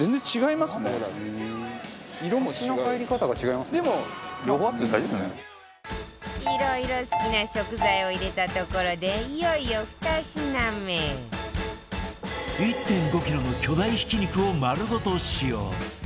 いろいろ好きな食材を入れたところでいよいよ２品目１．５ キロの巨大ひき肉を丸ごと使用